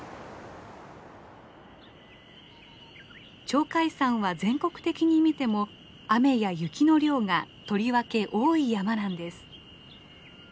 鳥海山は全国的にみても雨や雪の量がとりわけ多い山なんです。